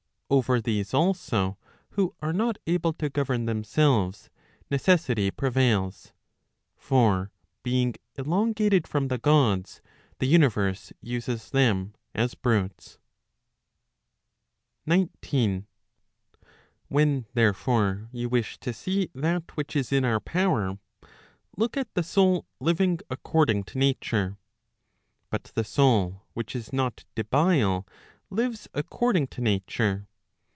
Over these also, who are not able to govern themselves, necessity prevails. For being elongated from the Gods, the universe uses them as brutes. 19. When, therefore, you wish to see that which is in our power, look at the soul living according to nature. But the soul which is not debile lives according to nature.